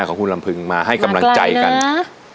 ของคุณลำพึงมาให้กำลังใจกันนะ